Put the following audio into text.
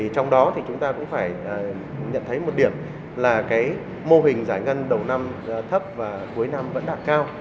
trong đó thì chúng ta cũng phải nhận thấy một điểm là mô hình giải ngân đầu năm thấp và cuối năm vẫn đạt cao